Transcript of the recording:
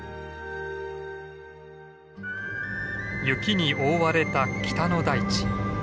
雪に覆われた北の大地。